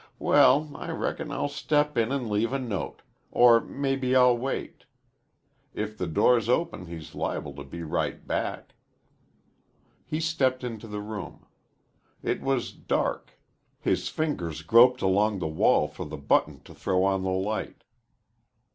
"Well, I reckon I'll step in an' leave a note. Or maybe I'll wait. If the door's open he's liable to be right back." He stepped into the room. It was dark. His fingers groped along the wall for the button to throw on the light.